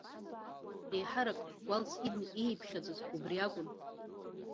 Еиҳарак уалс идны ииԥхьаӡоз убри акәын.